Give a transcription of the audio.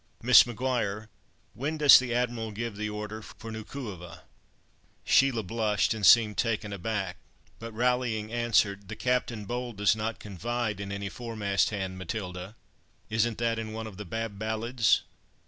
Miss Maguire, when does the Admiral give the order for Nukuheva?" Sheila blushed, and seemed taken aback, but rallying, answered, "'The captain bold does not confide in any foremast hand, Matilda!' Isn't that in one of the Bab Ballads?"